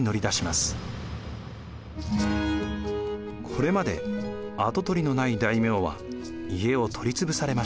これまで跡取りのない大名は家を取りつぶされました。